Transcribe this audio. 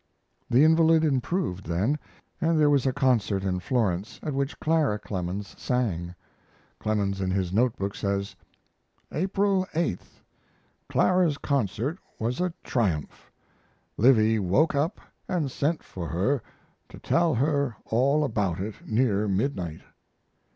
The invalid improved then, and there was a concert in Florence at which Clara Clemens sang. Clemens in his note book says: April 8. Clara's concert was a triumph. Livy woke up & sent for her to tell her all about it, near midnight.